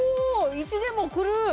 １でも来る！